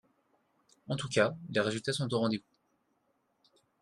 En tout cas, les résultats sont au rendez-vous